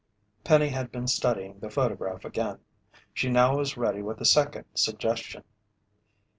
Penny had been studying the photograph again. She now was ready with a second suggestion.